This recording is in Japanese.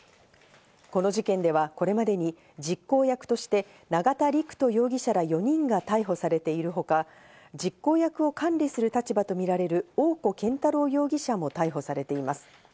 この事件ではこれまでに実行役として永田陸人容疑者ら４人が逮捕されているほか、実行役を管理する立場とみられる大古健太郎容疑者も逮捕されています。